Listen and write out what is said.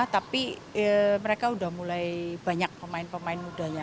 tapi mereka sudah mulai banyak pemain pemain mudanya